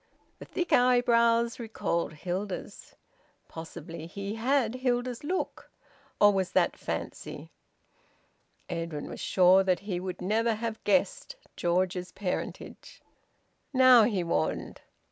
The thick eyebrows recalled Hilda's. Possibly he had Hilda's look! Or was that fancy? Edwin was sure that he would never have guessed George's parentage. "Now!" he warned.